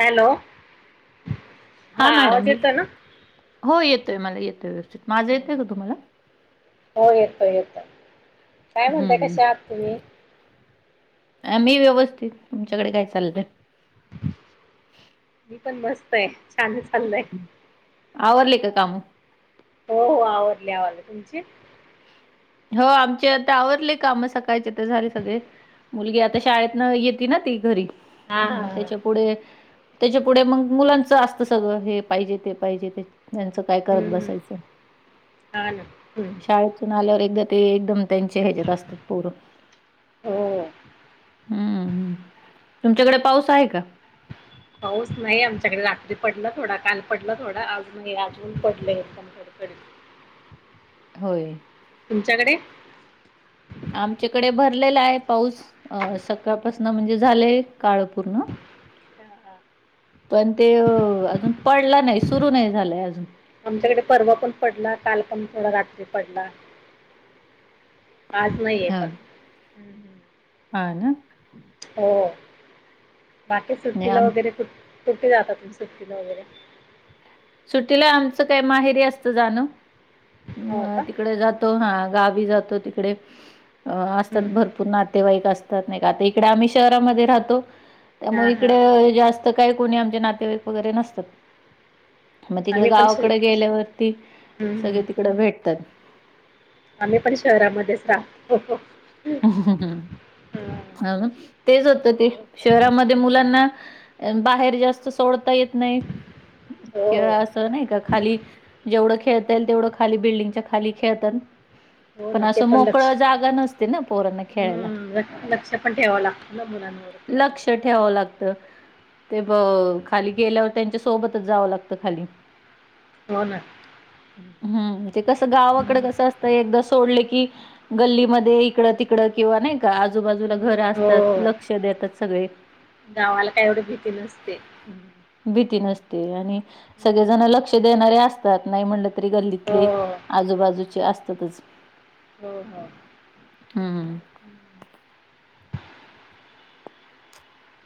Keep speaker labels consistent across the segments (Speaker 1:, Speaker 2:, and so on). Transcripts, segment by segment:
Speaker 1: Hello.
Speaker 2: हा madam
Speaker 1: आवाज येतो ना?
Speaker 2: हो येतोय मला येतो व्यथ माझं येतय का तुम्हाला?
Speaker 1: हो येतोय येतोय काय म्हणताय कश आहात तुम्ही.
Speaker 2: आ मी व्यवस्थित तुमच्याकडे काय चालतय.
Speaker 1: मी पण मस्त आहे. छान चाललंय
Speaker 2: आवरले का काम
Speaker 1: हो हो आवरली आवाला तुमचे
Speaker 2: हो आमचे आता आवरले काम सकाळचे तर झाले सगळे. मुलगी आता शाळेत न येतती ना ती घरी
Speaker 1: हा हा
Speaker 2: मग
Speaker 1: हा.
Speaker 2: त्याच्या पुढे [inaudible] त्याच्या पुुढे मग मुलांच असत सगळं हे पाहिजे ते पाहिजे ते त्यांचं काय करत
Speaker 1: हम्म हम्म
Speaker 2: बसायचं
Speaker 1: हा ना. हम्म
Speaker 2: [inaudible] शाळेतून आल्यावर एकदा ते एकदम त्यांचे ह्याच्यात असतात पूर
Speaker 1: हो.
Speaker 2: हम्म हम् [inaudible] तुमच्याकडे पाऊस आहे का [inaudible]
Speaker 1: [inaudible] पाऊस नाही आमच्याकडे रात्री पडलं थोडा काल पडलं थोडा आज नाही आजून पडलं एकदमकडे करड [inaudible]
Speaker 2: [inaudible] होय..
Speaker 1: तुमच्याकडे [inaudible]
Speaker 2: [inaudible] आमच्याकडे भरलेला आहे पाऊस. अ सकाळपासन म्हणजे झालेय काळ पूर्ण [inaudible] [inaudible] पण ते अजून पडलं नाही सुरू नाही झालंय अजून
Speaker 1: पर्व पण पडला काल पण थोडा रात्री पडला [inaudible] पाज नाही ये पण [inaudible]
Speaker 2: ह ना [inaudible]
Speaker 1: [inaudible] हो बाकी
Speaker 2: नाही
Speaker 1: सुट्टीला
Speaker 2: आम
Speaker 1: वगैरे खुठ. सुे जातातुम्ही सुट्टकीन वगैरे [inaudible]
Speaker 2: [inaudible] सुटीला आमचं काय माहेरी असत जाण
Speaker 1: हो का?
Speaker 2: तिकडे जातो हा गा. [inaudible] जातो तिकडे
Speaker 1: हम्म.
Speaker 2: असतात भरपूर नातेवाईक असतात. इडे आम्ही शहरामध्ये राहतो
Speaker 1: हा
Speaker 2: त्यामुळे
Speaker 1: हा
Speaker 2: इडे जास्त काही कोणी आमचे नातेवाईक वगैरे नसतात [inaudible] मग तिकडे
Speaker 1: आम्ही पण श
Speaker 2: गावाकडे गेल्यावरती
Speaker 1: हम्म
Speaker 2: [inaudible]
Speaker 1: हम्म
Speaker 2: सगळे तिकड भेटतात.
Speaker 1: [inaudible] आम्ही पण शहरामध्येच राहा.
Speaker 2: [inaudible] अच्ाा हा. [inaudible] ह ना तेच होतं ते शहरामध्ये मुलांना बाहेर जास्त सोडता येत. [inaudible] नाही
Speaker 1: हो
Speaker 2: किं
Speaker 1: हो
Speaker 2: असं नाही का खाली जेवढ. खेळ तेवढ खाली बिल्डिंगच्या खाली खेळ
Speaker 1: हो
Speaker 2: [inaudible] पण
Speaker 1: ना ते
Speaker 2: अस
Speaker 1: लक्ष
Speaker 2: मोकळ जाग नसत. पोरांना खेळायला
Speaker 1: हम्म लक्ष लक्ष पण ठेवावं लागतं ना मुलांवरती आणि
Speaker 2: लक्ष ठेव लागतं [inaudible] ते ब खाली गेल्यावर त्यांच्या सोबतच जावं लागतं खाली.
Speaker 1: हो ना.
Speaker 2: हम्म ते कस गावाकडे कसं असतंय एकदा सोडले की. गल्लीमध्ये इकडं तिकडं किंवा नाही. का आजूबाजूला घर
Speaker 1: हम्म
Speaker 2: असतात
Speaker 1: हो
Speaker 2: लक्ष देतात सगळे.
Speaker 1: गावाला काय एवढी भीती नसते.
Speaker 2: भीती नसते आणि
Speaker 1: हं.
Speaker 2: सगळेजण लक्ष देणारे असतात नाही म्हण
Speaker 1: हो
Speaker 2: गल्लीतले आजूबाजूचे असतातच.
Speaker 1: हो हो
Speaker 2: हम्म
Speaker 1: हं.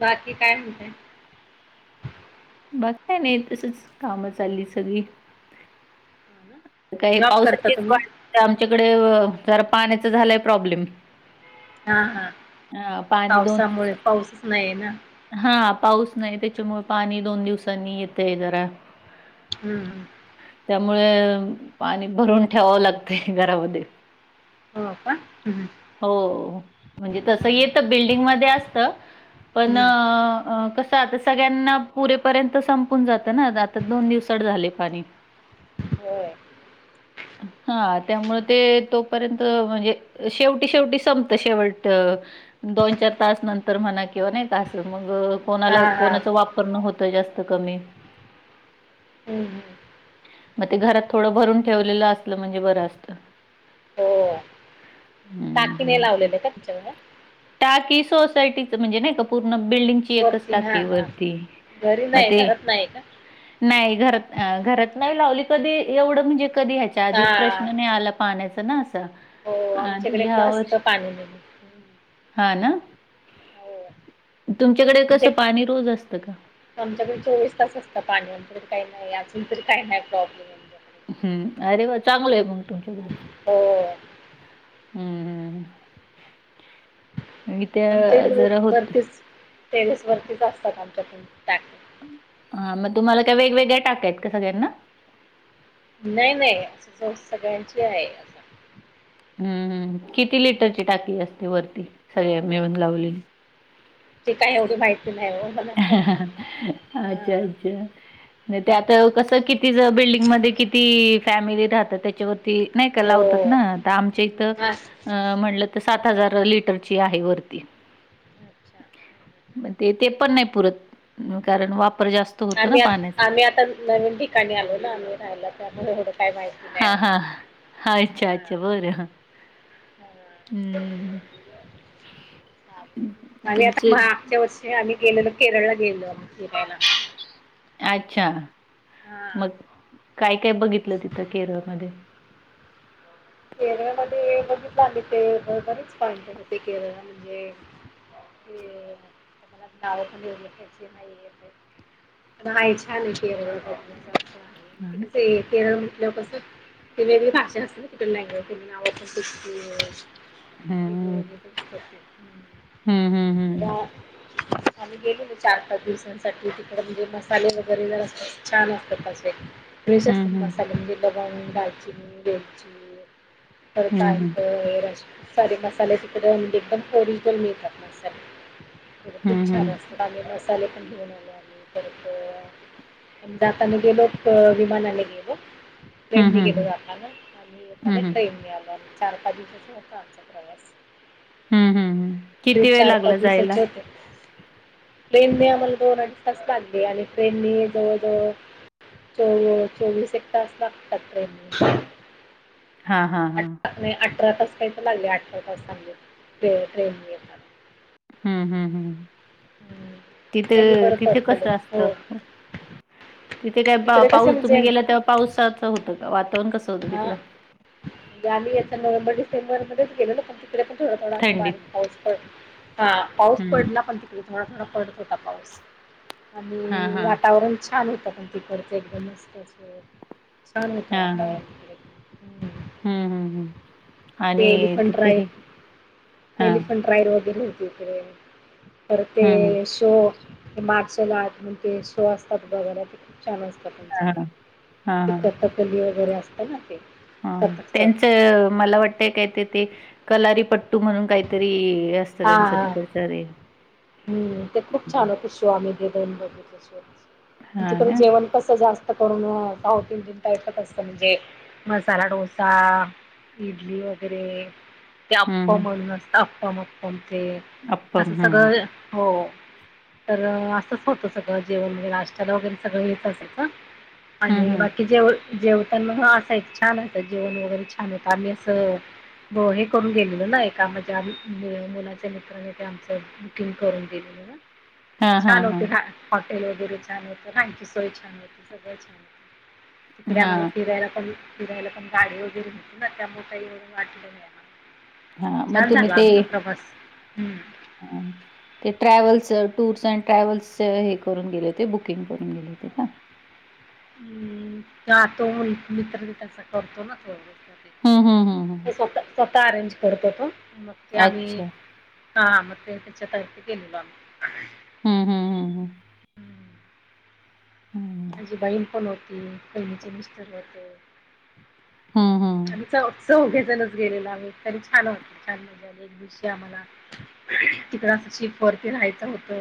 Speaker 1: बाकी काय म्हणताय.
Speaker 2: बाकी काय नाही तसच काम चालली सगळी.
Speaker 1: हो ना.
Speaker 2: काही
Speaker 1: जॉब करता
Speaker 2: पावसाचीच
Speaker 1: तुम्ही?
Speaker 2: वाढ आमच्याकडे जरा पाण्याचा झालंय प्रॉब्लेम.
Speaker 1: हा हा
Speaker 2: हा पाणी दोन
Speaker 1: पावसामुळे पाऊसच नाही आहे ना
Speaker 2: हा. पाऊस नाही त्याच्यामुळे पाणी दोन दिवसांनी येतय जरा.
Speaker 1: हम्म हम्म
Speaker 2: त्यामुळे पाणी भरून ठेवावं लागते घरामध्ये.
Speaker 1: हो का हम्म
Speaker 2: हो, म्हणजे तस येत बिल्डिंगमध्ये असत पण
Speaker 1: हम्म
Speaker 2: कस आता सगळ्यांना पुरेपर्यंत संपून जातं ना आता दोन दिवसात झाले पाणी.
Speaker 1: हो
Speaker 2: हा त्यामुळं ते तोपर्यंत म्हणजे शेवटी शेवटी संपत शेवट दोन चार तास नंतर म्हणा किंवा नाय का असं मगं
Speaker 1: हा
Speaker 2: कोणाला,
Speaker 1: हा
Speaker 2: कोणाचा वापर नत कुठं, जास्त कमी
Speaker 1: हम्म हम्म
Speaker 2: म ते घरात थोडं भरून ठेवलेलं असलं म्हणजे बरं असतं.
Speaker 1: हो
Speaker 2: हं,
Speaker 1: टाकीने
Speaker 2: हं.
Speaker 1: लावलेले का तुच्याक
Speaker 2: सोसायटीच म्हणजे नाही का पूर्ण बिल्डिंगची एकच
Speaker 1: वरती हा
Speaker 2: टाकी
Speaker 1: हा
Speaker 2: वरती,
Speaker 1: घरी
Speaker 2: म,
Speaker 1: नाही
Speaker 2: ते
Speaker 1: घरात नाही का
Speaker 2: नाही घरात अ घरात नाही लावली कधी, एवढं म्हणजे कधी ह्याच्या आधी
Speaker 1: हा
Speaker 2: प्रश्न नाही आला पाण्याचा ना.
Speaker 1: हो आमच्याकडे पण
Speaker 2: हया
Speaker 1: असतं
Speaker 2: वर्षी,
Speaker 1: पाणी नेहमी हम्म.
Speaker 2: हा ना.
Speaker 1: हो
Speaker 2: तुमच्याकडे
Speaker 1: आमच्या,
Speaker 2: कसं पाणी रोज असतं का?
Speaker 1: आमच्याकडे चोवीस तास असत पाणी. काही नाही अजून तरी काही नाही प्रॉब्लेम आहे.
Speaker 2: हम्म, अरे वा चांगलं आहे मग तुमच्याकडे.
Speaker 1: हो
Speaker 2: हम्म, हम्
Speaker 1: आमच्या इकडे वरतीच टेरेस वरतीच असतात आमच्या टाक्या.
Speaker 2: हा, मग तुम्हाला काय वेगवेगळ्या टाक्या आहेत का सगळ्यांना?
Speaker 1: नाही नाही असं जो सगळ्यांची आहे.
Speaker 2: हम्म, हम्म, किती लीटरची
Speaker 1: हं.
Speaker 2: टाकी असते वरती सगळ्या मिळून लावलेली?
Speaker 1: ती, काय एवढी माहित?
Speaker 2: अच्छा, अच्छा. त्यात कसं, किती बिल्डिंगमध्ये किती फॅमिली? राहत त्याच्यावरती नाय का
Speaker 1: हो
Speaker 2: लावतात ना त आमच्या इथं
Speaker 1: हं. आ
Speaker 2: म्हणंल सात हजार लिटरची आहे वरती.
Speaker 1: अच्छा हं.
Speaker 2: मग ते, ते पण नाही पुरत कारण वाप
Speaker 1: आम्ही आ, आम्ही आता नवीन ठिकाणी आलो ना आम्ही राहायला त्यामुळे काय माहिती नाही
Speaker 2: हा, हा,
Speaker 1: आम्हाला
Speaker 2: अच्छा,
Speaker 1: हा
Speaker 2: अच्छा बरं. हम्म
Speaker 1: आणि आता
Speaker 2: तुमचे
Speaker 1: मागच्या वर्षी आम्ही गेलेलो केरळला गेलो फिरायला.
Speaker 2: अच्छा,
Speaker 1: हा
Speaker 2: मग काय काय बघितलं तिथं केरळमध्ये?
Speaker 1: केरळमध्ये बघीतलं आम्ही ते बरीच [unintelligible] होती केरळला म्हणजे ते [unintelligible] पैसे नाही, येत ये. पण, हाय छान! आहे. केरळ
Speaker 2: हम्म.
Speaker 1: [unintelligible] ते केरळ म्हटल्यावर कसं, वेगळी भाषा असल
Speaker 2: हम्म,
Speaker 1: [unintelligible]
Speaker 2: हम्म,
Speaker 1: [unintelligible]
Speaker 2: हम्म.
Speaker 1: आम्ही गेलेलो चार, पाच दिवसांसाठी तिकडं म्हणजे, मसाले वगैरे जरा छान! असतात. तसे फ्रेश
Speaker 2: हम्म,
Speaker 1: असतात.
Speaker 2: हम्म.
Speaker 1: मसाले म्हणजे, लवंग, दालचीनी, वेलची
Speaker 2: हम्म,
Speaker 1: करताय
Speaker 2: हम्म.
Speaker 1: [unintelligible] सारे मसाले तिकडं [unintelligible] ओरिजिनल मिळतात. मसाले
Speaker 2: हम्म,
Speaker 1: खूप छान
Speaker 2: हम्म.
Speaker 1: असतात. आम्ही मसाले पण घेऊन आलो, आम्ही परत जाताने गेलो होतो, विमानाने गेलो.
Speaker 2: हं,
Speaker 1: ट्रेनने
Speaker 2: हं,
Speaker 1: गेलो,
Speaker 2: हं.
Speaker 1: जातना आणि येताना
Speaker 2: हं, हं.
Speaker 1: ट्रेनने आलो. चार, पाच दिवसाचा होता, आमचा प्रवास
Speaker 2: हं, हं, हं.
Speaker 1: ते
Speaker 2: किती वेळ
Speaker 1: चार, पाच
Speaker 2: लागला जायला?
Speaker 1: दिवसाचे होते. प्लेनने आम्हाला दोन अडीच तास लागले, आणि ट्रेनने जवळ जवळ चो चोवीस एक तास लागतात ट्रेनला
Speaker 2: हा, हा, हा
Speaker 1: अठरा तास काही, तर लागले, अठरा तास लागले, ट्रेनने येताना
Speaker 2: हम्म हम्म हम्म!
Speaker 1: हम्म.
Speaker 2: तिथे,
Speaker 1: त्यांनी बरं
Speaker 2: तिथे
Speaker 1: परतलं
Speaker 2: कसं असत?
Speaker 1: हो
Speaker 2: तिथे काय पा
Speaker 1: तिकडे कसं
Speaker 2: पाऊस
Speaker 1: म्हणजे
Speaker 2: तुम्ही, गेला तेव्हा पाऊसाच होतं का वातावरण कसं होतं
Speaker 1: हा
Speaker 2: तिकडं?
Speaker 1: [unintelligible] [unintelligible] मध्ये गेले ना, पण तिकडे पण थोडा थोडा असा बारिक
Speaker 2: थंडीत.
Speaker 1: पाऊस पडला हा पाऊस
Speaker 2: हं.
Speaker 1: पहला, पण तिकडे थोडा थोडा पडत होता. पाऊस
Speaker 2: हां,
Speaker 1: आणि
Speaker 2: हां.
Speaker 1: वातावरण छान! हो [unintelligible] छान! होतो, वातावरण. हम्म.
Speaker 2: हम्म हम्म हम्! आणि
Speaker 1: ते एलिफंट
Speaker 2: तिथे हे
Speaker 1: राईड
Speaker 2: हां.
Speaker 1: एलिफंट ट्रायल वगैरे होती, इकडे परत ते
Speaker 2: हं, हं.
Speaker 1: शो मार्शल आर्ट म्हण ते शो असतात. बघाल छान! असतात.
Speaker 2: हां, हां.
Speaker 1: [unintelligible] वगैरे असतं, ना ते.
Speaker 2: ह
Speaker 1: कथकच
Speaker 2: त्यांच मला वाटतयं काहीतरी, ते कलारी पट्टू म्हणून्, काही
Speaker 1: हा हा
Speaker 2: तरी [unintelligible]
Speaker 1: हम्म! ते खूप छान होतं. [unintelligible]
Speaker 2: हां
Speaker 1: तिकडे
Speaker 2: ना?
Speaker 1: जेवण कसं जास्त करून साऊथ इंडियन ऐकत असतं, म्हणजे मसाला डोसा इडली वगैरे ते
Speaker 2: हं,
Speaker 1: आप्पा
Speaker 2: हं.
Speaker 1: म्हणजे, असत आप्पा अप्पा ते
Speaker 2: अप्पम.
Speaker 1: असं
Speaker 2: हं.
Speaker 1: सगळं हो तर असंच होतं. सगळं जेवण नाश्त्याला वगैरे सगळं एक असायचं.
Speaker 2: हं, हं.
Speaker 1: आणि
Speaker 2: हं.
Speaker 1: बाकी जे जेवताना ह असायची. छान! असायची. जेवण वगैरे छान होत. आम्ही असं हो हे करून गेलेलं, ना एका [unintelligible] मित्राने ते आमचे. करून दिली, ना
Speaker 2: हा
Speaker 1: म
Speaker 2: हा
Speaker 1: छान
Speaker 2: हा
Speaker 1: [unintelligible] तेल वगैरे छान होत. ना ही सोय छान होती. सगळं छान! होत. तिकडे
Speaker 2: हा
Speaker 1: आम्हाला फिरायला पण फिरायला पण गाडी वगैरे ना होती, त्यामुळे काही वाटलं नाही
Speaker 2: हा मग
Speaker 1: छान!
Speaker 2: तुम्ही
Speaker 1: झाला,
Speaker 2: ते
Speaker 1: आमचा प्रवास.
Speaker 2: हां,
Speaker 1: [inaudible]
Speaker 2: ते ट्रॅव्हल् टूर्स अँन्ड ट्रॅव्हल् हे करून गेले, होते. बुकिंग करून गेले होते ना.
Speaker 1: हम्म! जातो, म्हटली तर
Speaker 2: हम्म हम्म हम्म हम्म
Speaker 1: [unintelligible] स्वतः स्वतः अरेंज करतात हं मग ते आम्ही
Speaker 2: अच्छा
Speaker 1: हा मग त्याच्या छता वर गेलेलो आम्ही.
Speaker 2: हम्म. हम्म. हम्म. हम्.
Speaker 1: हम्म. माझी बहीण पण होती. बहिणीचे मिस्टर होते.
Speaker 2: हम्म
Speaker 1: आणि
Speaker 2: हम्म
Speaker 1: जा चौघेणच गेलेला आम्ही. तरी छान होत छान मजा आली एक दिवशी आम्हाला तिकड शिप वरती राहायचं होत.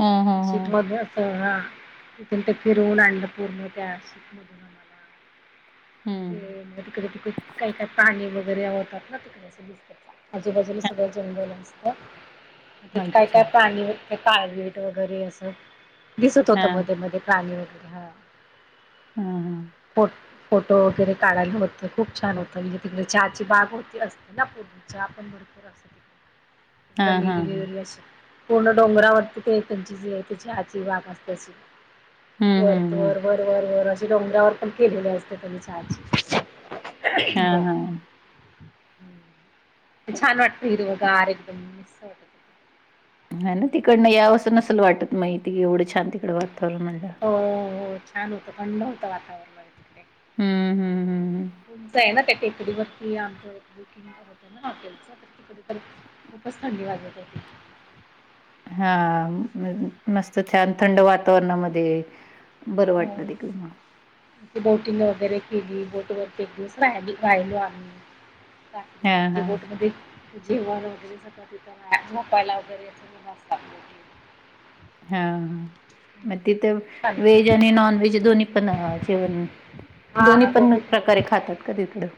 Speaker 2: हम्म हा हा हा
Speaker 1: शिप मध्ये असा तर फिरवून आणलं पूर्ण त्या [unintelligible] ते
Speaker 2: हम्म
Speaker 1: मग तिकडे तिकडे काय काय पाणी वगैरे होतात ना तिकडे असं दिसतं. आजूबाजूला सगळं जंगल असतं, आणि काय
Speaker 2: अच्छा
Speaker 1: काय पाणी ते काळवीट वगैरे असं दिसत होत
Speaker 2: हा
Speaker 1: मध्ये मध्ये प्राणी, हां. [unintelligible]
Speaker 2: हा हा
Speaker 1: फो फोटो वगैरे काढायला होतं खूप छान होतं [unintelligible] चहाची बाग होती असते ना पूर्वी चहा पण भरपूर अस
Speaker 2: हा हा हम्म
Speaker 1: [unintelligible] पूर्ण डोंगरावरती ते तेंची जी आहे ती चहाची बाग असते. वर
Speaker 2: हम्म हम्म
Speaker 1: वर वर वर वर अशी डोंगरावर पण केलेल असते चहाची.
Speaker 2: हां
Speaker 1: बर
Speaker 2: हां.
Speaker 1: छान वाटत हिरव गार एकदम-
Speaker 2: हं ना, तिकडन यावसं नसल वाटत, म् इथ एवढं छान तिकडे वाट
Speaker 1: हो, हो, छान होतं, थंड होत वातावरण
Speaker 2: हम्म हम्म हम्म
Speaker 1: [unintelligible] [unintelligible] उंच आहे ना ते? टेकडी वरती आमचं बुकिंग होत ना हॉटेलच, तर खूपच थंडी वाटत होती. [inaudible]
Speaker 2: हां, म मस्त छान थंड वातावरणामध्ये बरं वाटत देखील.
Speaker 1: बोटींग वगैरे केली. बोटवर एक दिस रहायची [unintelligible] का
Speaker 2: हा हा
Speaker 1: दिस
Speaker 2: हा
Speaker 1: बोटमध्ये. जेवण वगैरे [unintelligible] झोपायला वगैरे.
Speaker 2: हां, हां, म तिथं
Speaker 1: खूप छान
Speaker 2: वे ज आणि नॉनव्हेज दोन्ही पण जेवण
Speaker 1: हा हा
Speaker 2: दोन्ही पण
Speaker 1: गोबी
Speaker 2: प्रकारे खातात का तिकडं?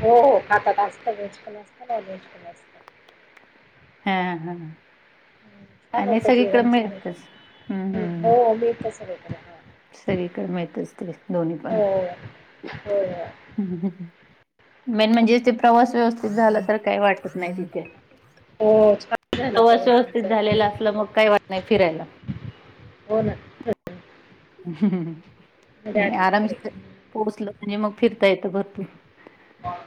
Speaker 1: हो हो खातात, आज व्हेज पण असतंय, नॉनव्हेज पणं असतय.
Speaker 2: हा हा.
Speaker 1: छान
Speaker 2: आणि
Speaker 1: होतं जेवण
Speaker 2: सगळीकडं
Speaker 1: छान
Speaker 2: मिळतच
Speaker 1: होतं
Speaker 2: हुं हुं.
Speaker 1: हो मिळतं सगळीकडे हा.
Speaker 2: सगळीकडे मिळतच ते दोन्ही पण
Speaker 1: हो हो
Speaker 2: मेन म्हणजे ते प्रवास व्यवस्थित झाला, तर काही वाटत नाही तिथे.
Speaker 1: हो छान झाला
Speaker 2: प्रवास व्यवस्थित
Speaker 1: आमचा
Speaker 2: झालेलं
Speaker 1: एकदम
Speaker 2: असलं मग काय वाटत नाही फिरायला.
Speaker 1: हो ना. [inaudible]
Speaker 2: [inaudible]
Speaker 1: मजा
Speaker 2: नाही
Speaker 1: आली
Speaker 2: आरामशिर
Speaker 1: तिकडे.
Speaker 2: पोहोचल म्हणजे मग फिरता येत भरपूर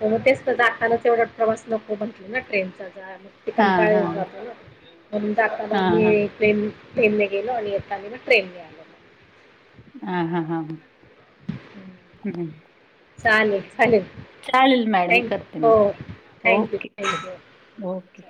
Speaker 1: होग तेच तर, जातानाच एवढा प्रवास नको म्हटला ना ट्रेनचा मग ते
Speaker 2: हां,
Speaker 1: कंटाळा येऊन
Speaker 2: हां.
Speaker 1: जातो ना, म्हणून जाताना
Speaker 2: हां,
Speaker 1: आमी
Speaker 2: हां.
Speaker 1: ट्रेन ट्रेन ने गेलो आणि येताना मग ट्रेन ने आलो मग.
Speaker 2: ह हा हा हा.
Speaker 1: चालेल चालेल.
Speaker 2: चालेल मॅडम
Speaker 1: थ
Speaker 2: करते
Speaker 1: हो
Speaker 2: मी परत.
Speaker 1: Thank
Speaker 2: okay, okay.
Speaker 1: Thank you.
Speaker 2: Okay.